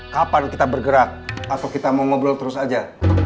kapan kita bergerak atau kita mau ngobrol terus aja